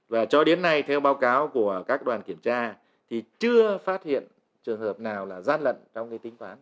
và cho đến nay theo báo cáo của các đoàn kiểm tra thì chưa phát hiện trường hợp nào là gian lận trong tính toán